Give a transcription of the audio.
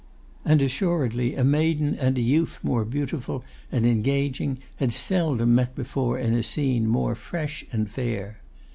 And assuredly a maiden and a youth more beautiful and engaging had seldom met before in a scene more fresh and fair.